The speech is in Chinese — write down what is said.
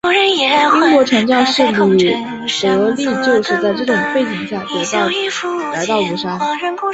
英国传教士李德立就是在这种背景下来到庐山。